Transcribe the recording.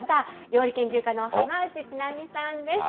料理研究家の浜内千波さんです。